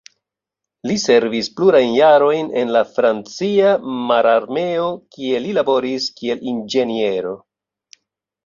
Li servis plurajn jarojn en la francia mararmeo, kie li laboris kiel inĝeniero.